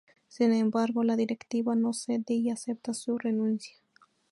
Sin embargo, la directiva no cede y acepta su renuncia.